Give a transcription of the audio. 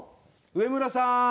植村さん！